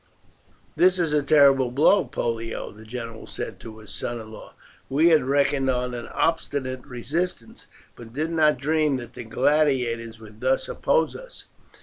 "This is a terrible blow, Pollio," the general said to his son in law. "We had reckoned on an obstinate resistance, but did not dream that the gladiators would thus oppose us."